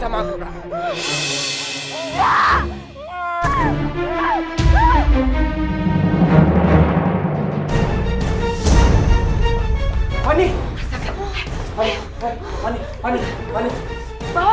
kamu udah bikin hidup aku menderita